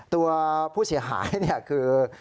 ตัวผู้เสียหายคือ